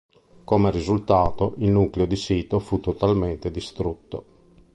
Come risultato, il nucleo di sito fu totalmente distrutto.